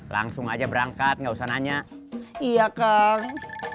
langsung aja berangkat nggak usah nanya iya kang